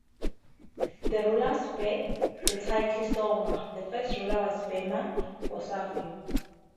The rulers bear the title "Soma"; the first ruler was Bema Bonsafo.